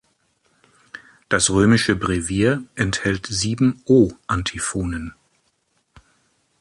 Das römische Brevier enthält sieben O-Antiphonen.